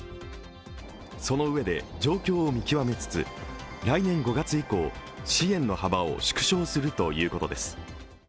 そのうえで、状況を見極めつつ来年５月以降支援の幅を縮小するということです。